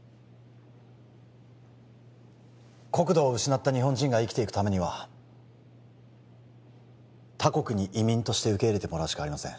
国土を失った日本人が生きていくためには他国に移民として受け入れてもらうしかありません